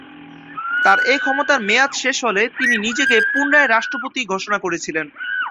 তার এ ক্ষমতার মেয়াদ শেষ হলে তিনি নিজেকে পুনরায় রাষ্ট্রপতি ঘোষণা করেছিলেন।